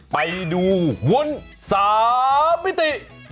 ไปดูวุ้น๓มิติ